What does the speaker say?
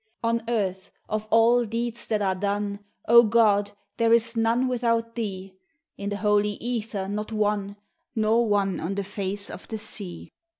On earth, of all deeds that are done, O God! there is none without thee ; In the holy ether not one, nor one on the face of the sea.